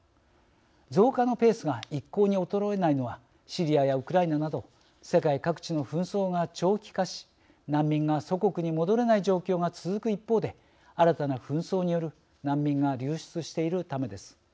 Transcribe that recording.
増加のペースが一向に衰えないのはシリアやウクライナなど世界各地の紛争が長期化し難民が祖国に戻れない状況が続く一方で新たな紛争による難民が流出しているためです。